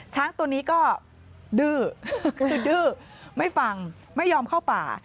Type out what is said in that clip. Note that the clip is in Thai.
ช้างตัวนี้ก็ดื้อคือดื้อไม่ฟังไม่ยอมเข้าป่า